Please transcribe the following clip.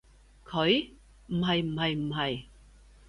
佢？唔係唔係唔係